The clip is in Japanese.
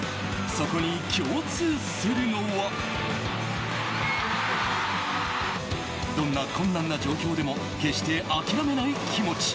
そこに共通するのはどんな困難な状況でも決して諦めない気持ち。